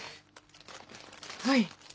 はい。